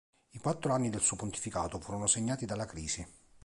I quattro anni del suo pontificato furono segnati dalla crisi.